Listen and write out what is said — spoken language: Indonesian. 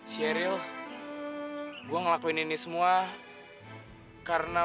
serius gua ngelakuin ini semua karena